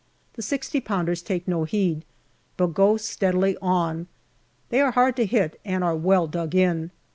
The 6o pounders take no heed, but go steadily on. They are hard to hit, and are well dug in.